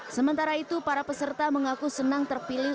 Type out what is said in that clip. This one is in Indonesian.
sementara itu para peserta mengaku senang terpilih